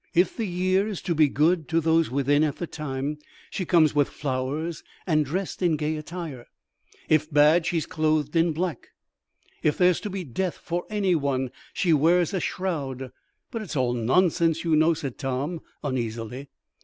If the year is to be good to those within at the time, she comes with flowers and dressed in gay attire; if bad, she is clothed in black; if there's to be death for any one, she wears a shroud. But it's all nonsense, you know," said Tom, uneasily.